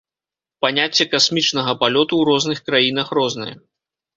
Паняцце касмічнага палёту ў розных краінах рознае.